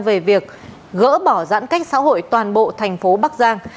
về việc gỡ bỏ giãn cách xã hội toàn bộ thành phố bắc giang